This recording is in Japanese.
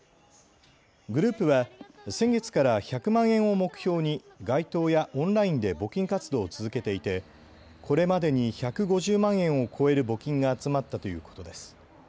グループは先月から１００万円を目標に街頭やオンラインで募金活動を続けていてこれまでに１５０万円を超える募金が集まったということです。